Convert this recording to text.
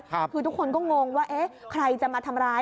คือทุกคนก็งงว่าเอ๊ะใครจะมาทำร้าย